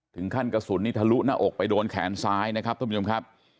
ถึงขั้นกระสุนนี้ทะลุหน้าอกไปโดนแขนซ้ายนะครับท่านผู้ชมครับ